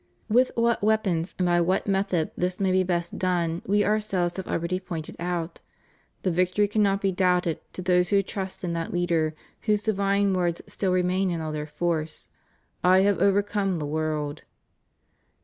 With what weapons and by what method this may best be done We Ourselves have already pointed out: the victory cannot be doubtful to those who trust in that leader whose divine words still remain in all their force :/ have overcome the world.